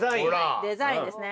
デザインですね。